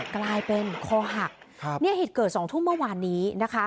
กลายเป็นคอหักเนี่ยเหตุเกิด๒ทุ่มเมื่อวานนี้นะคะ